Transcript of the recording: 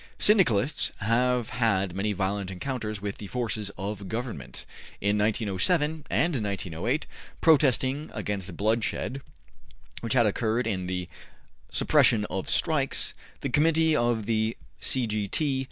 Syndicalists have had many violent encounters with the forces of government. In 1907 and 1908, protesting against bloodshed which had occurred in the suppression of strikes, the Committee of the C. G. T.